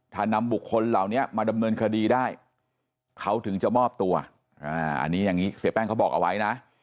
ถ้านำบุคคลเหล่านี้มาดำเนินคดีได้เขาถึงจะมอบตัวอันนี้อย่างนี้เสียแป้งเขาบอกเอาไว้นะ